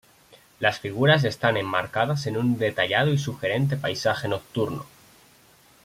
Las figuras están enmarcadas en un detallado y sugerente paisaje nocturno.